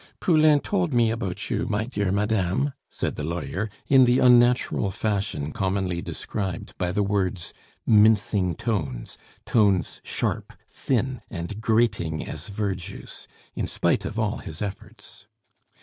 "Poulain told me about you, my dear madame," said the lawyer, in the unnatural fashion commonly described by the words "mincing tones"; tones sharp, thin, and grating as verjuice, in spite of all his efforts.